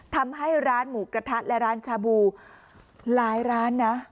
ทำให้ร้านหมูกระทะและร้านชาบูหลายร้านนะ